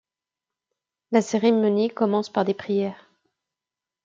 La cérémonie commence par des prières.